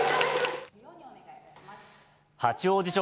八王子署